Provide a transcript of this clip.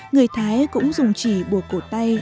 người thái cũng dùng chỉ buộc cầu tay